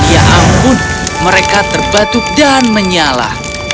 dan ya ampun mereka terbatuk dan menyala